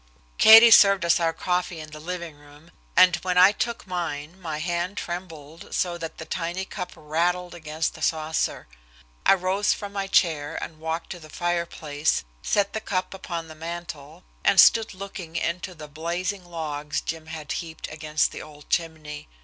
Katie served us our coffee in the living room, and when I took mine my hand trembled so that the tiny cup rattled against the saucer. I rose from my chair and walked to the fireplace, set the cup upon the mantel and stood looking into the blazing logs Jim had heaped against the old chimney.